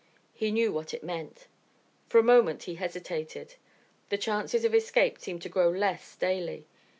He knew what it meant. For a moment he hesitated. The chances of escape seemed to grow less daily.